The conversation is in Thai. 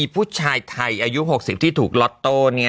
ผู้ชายไทยอายุ๖๐ที่ถูกล็อตโต้